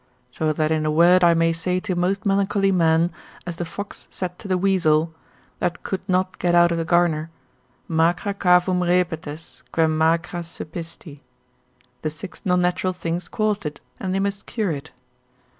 So that in a word I may say to most melancholy men, as the fox said to the weasel, that could not get out of the garner, Macra cavum repetes, quem macra subisti, the six non natural things caused it, and they must cure it.